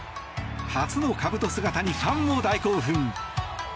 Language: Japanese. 初のかぶと姿にファンも大興奮。